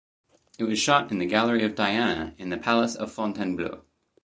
It was shot in the Gallery of Diana in the Palace of Fontainebleau.